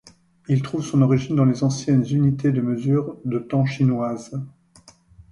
Il trouve son origine dans les anciennes unités de mesure de temps chinoises.